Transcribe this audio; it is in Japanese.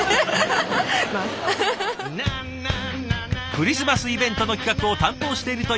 クリスマスイベントの企画を担当しているというお二人。